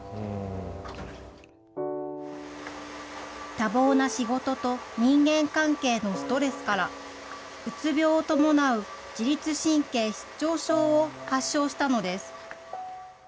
多忙な仕事と人間関係のストレスから、うつ病を伴う自律神経失調症を発症したのです。